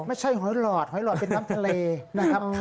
หอยหลอดหอยหลอดเป็นน้ำทะเลนะครับ